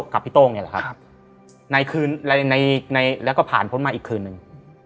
กับพี่โต้งเนี่ยแหละครับในคืนแล้วก็ผ่านพ้นมาอีกคืนนึง